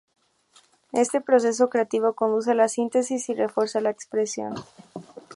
Este proceso creativo conduce a la síntesis y refuerza la expresión.